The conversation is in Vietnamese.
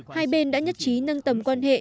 hai bên đã nhất trí nâng tầm quan hệ